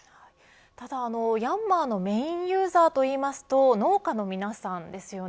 ただヤンマーのメーンユーザーといいますと農家の皆さんですよね。